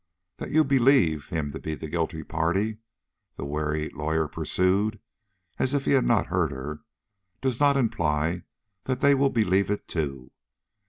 "That you believe him to be the guilty party," the wary lawyer pursued, as if he had not heard her "does not imply that they will believe it too.